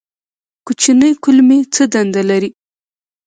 کوچنۍ کولمې څه دنده لري؟